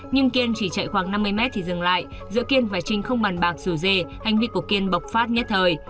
nhưng kiên chỉ chạy khoảng năm mươi m thì dừng lại giữa kiên và trinh không bàn bạc dù dê hành vi của kiên bọc phát nhất thời